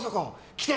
来て！